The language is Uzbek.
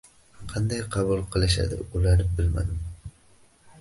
Qanday qabul qilishadi ular bilmadim.